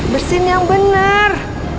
bersihin yang bener